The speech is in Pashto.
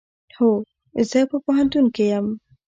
هو، زه په پوهنتون کې یم